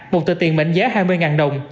một tờ tiền mệnh giá hai mươi đồng